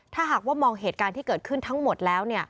ถ้าหากว่ามองเหตุการณ์ที่เกิดขึ้นทั้งหมดแล้ว